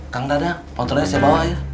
kang dadang motornya siapa bawa ya